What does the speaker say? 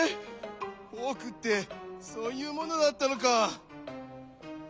フォークってそういうものだったのか。